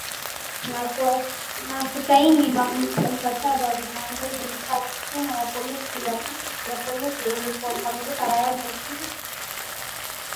na kusaini mkataba wa miezi mitatu na timu yangu ya Polisi ulipokamilika Rayon Sports